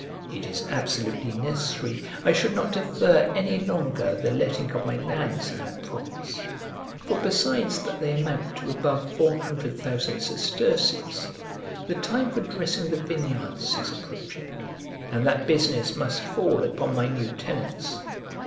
It is absolutely necessary I should not defer any longer the letting of my lands in that province; for, besides that they amount to above four hundred thousand sesterces, the time for dressing the vineyards is approaching, and that business must fall upon my new tenants.